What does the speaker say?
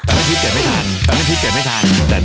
ตอนนี้พี่เก็บไม่ทาน